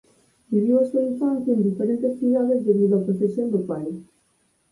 Viviu a súa infancia en diferentes cidades debido á profesión do pai.